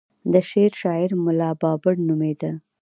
د شعر شاعر ملا بابړ نومېد.